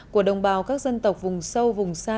của đồng bào các dân tộc vùng sâu vùng xa